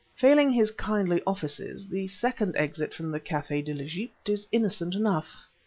Failing his kindly offices, the second exit from the Café de l'Egypte is innocent enough.